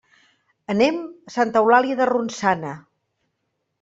Anem a Santa Eulàlia de Ronçana.